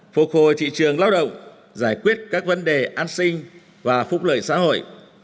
phục hồi thị trường lao động giải quyết các vấn đề an sinh và phúc lợi xã hội